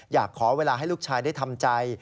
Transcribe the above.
อยากขอเวลาให้ลูกชายได้ทำใจ